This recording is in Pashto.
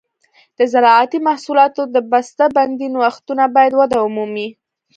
د زراعتي محصولاتو د بسته بندۍ نوښتونه باید وده ومومي.